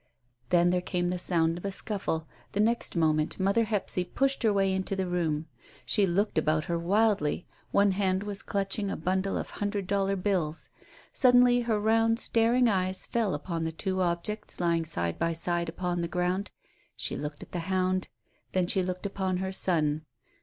Then there came the sound of a scuffle. The next moment mother Hephzy pushed her way into the room. She looked about her wildly; one hand was clutching a bundle of hundred dollar bills. Suddenly her round, staring eyes fell upon the two objects lying side by side upon the ground. She looked at the hound; then she looked upon her son.